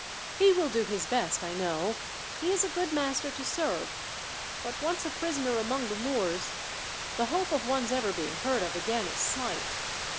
"He will do his best, I know. He is a good master to serve. But once a prisoner among the Moors, the hope of one's ever being heard of again is slight.